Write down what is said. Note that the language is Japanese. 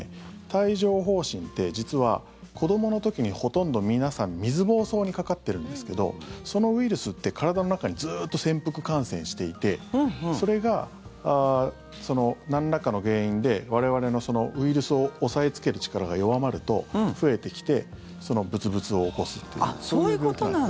帯状疱疹って、実は子どもの時にほとんど皆さん水疱瘡にかかってるんですけどそのウイルスって体の中にずっと潜伏感染していてそれが、なんらかの原因で我々のウイルスを抑えつける力が弱まると、増えてきてブツブツを起こすっていうそういう病気なんです。